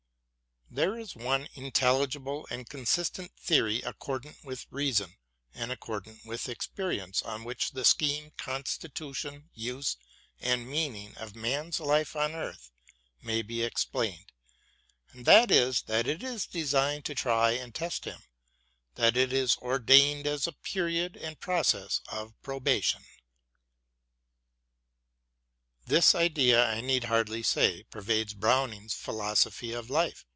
There is one intelligible and consistent theory accordant with reason and accordant with experience on which the scheme, constitution, use, and meaning of man's life on earth may be explained, and that is that it is designed to try and test him, that it is ordained as a period and process of probation. This idea, I need hardly say, pervades Browning's philosophy of life.